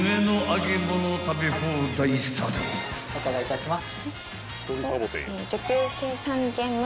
お伺いいたします。